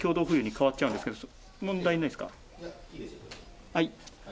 変わっちゃうんですけど、問題ないいいです。